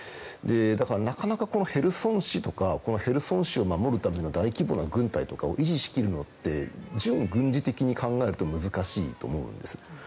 だからなかなかヘルソン市とかヘルソン市を守るための大規模な軍隊を維持するのは準軍事的に考えると難しいと思うんです。